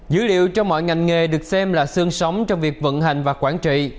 dữ liệu cho mọi ngành nghề được xem là xương sóng trong việc vận hành và quản trị